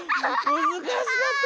むずかしかった！